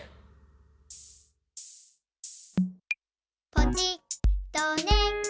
「ポチッとね」